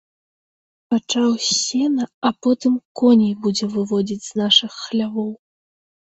Пачаў з сена, а потым коней будзе выводзіць з нашых хлявоў.